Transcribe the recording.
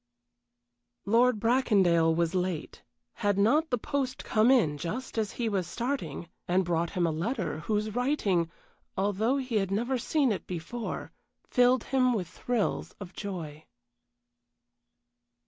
Lord Bracondale was late: had not the post come in just as he was starting, and brought him a letter, whose writing, although he had never seen it before, filled him with thrills of joy.